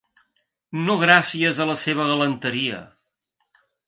No gràcies a la seva galanteria.